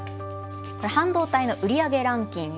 これ半導体の売り上げランキング。